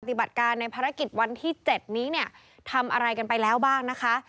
การในภารกิจวันที่๗นี้เนี่ยทำอะไรกันไปแล้วบ้างนะคะ